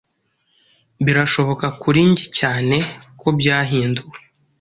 birashobokakuri njyecyane ko byahinduwe